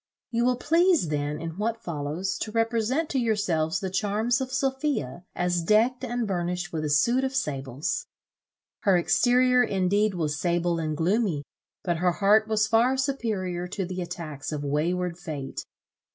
You will please then, in what follows, to represent to yourselves the charms of Sophia as decked and burnished with a suit of sables. Her exterior indeed was sable and gloomy, but her heart was far superior to the attacks of wayward fate.